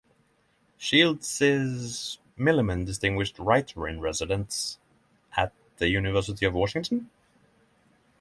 Shields is Milliman Distinguished Writer-in-Residence at the University of Washington.